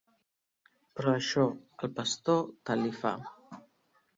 Però això al pastor tant li fa.